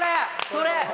それ！